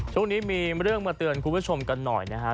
ช่วงนี้มีเรื่องมาเตือนคุณผู้ชมกันหน่อยนะฮะ